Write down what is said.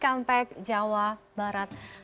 sampai jawa barat